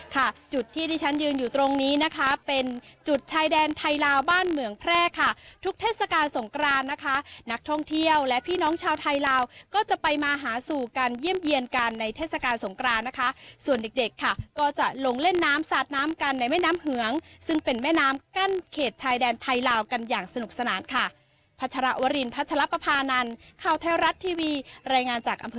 จุดที่ที่ฉันยืนอยู่ตรงนี้นะคะเป็นจุดชายแดนไทยลาวบ้านเหมืองแพร่ค่ะทุกเทศกาลสงกรานนะคะนักท่องเที่ยวและพี่น้องชาวไทยลาวก็จะไปมาหาสู่กันเยี่ยมเยี่ยนกันในเทศกาลสงกรานนะคะส่วนเด็กเด็กค่ะก็จะลงเล่นน้ำสาดน้ำกันในแม่น้ำเหืองซึ่งเป็นแม่น้ำกั้นเขตชายแดนไทยลาวกันอย่างสนุกสนานค่ะ